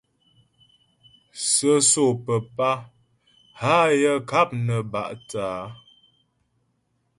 Sə́sô papá hâ yaə ŋkáp nə bá' thə̂ á.